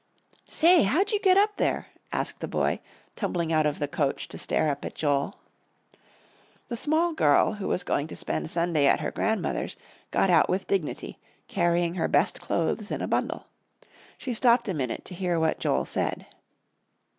"Say, how'd you get up there?" asked the boy, tumbling out of the coach to stare up at Joel. The small girl, who was going to spend Sunday at her grandmother's, got out with dignity, carrying her best clothes in a bundle. She stopped a minute to hear what Joel said.